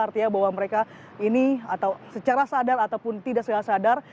artinya bahwa mereka ini atau secara sadar ataupun tidak secara sadar